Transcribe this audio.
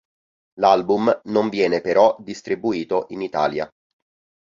L'album non viene però distribuito in Italia.